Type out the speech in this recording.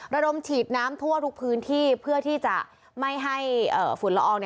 ระดมฉีดน้ำทั่วทุกพื้นที่เพื่อที่จะไม่ให้ฝุ่นละออง